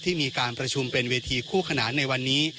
มีการประชุมเป็นเวทีคู่ขนานในวันนี้